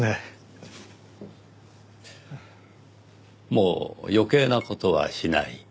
もう余計な事はしない。